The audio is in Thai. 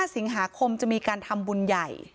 สิงหาคมจะมีการทำบุญใหญ่